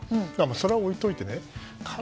それは置いておいてね